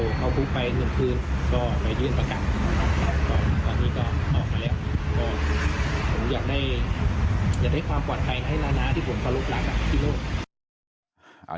ผมอยากได้ความปลอดภัยให้แล้วนะที่ผมเคารพรักพี่โลก